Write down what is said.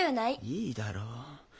いいだろう。